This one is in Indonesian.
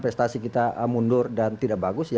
prestasi kita mundur dan tidak bagus